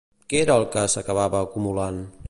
Què era el que s'acabava acumulant?